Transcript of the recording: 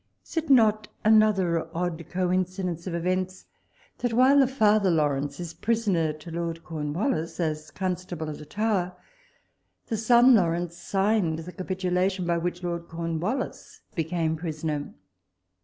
Is it not another odd coincidence of eventSj that while the father Laurens is prisoner to Lord Cornwallis as Con stable of the Tower, the son Laurens signed the capitulation by which Lord Cornwallis became prisoner?